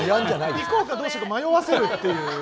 行こうかどうしようか迷わせるっていうことですね。